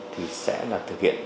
thì sẽ là thực hiện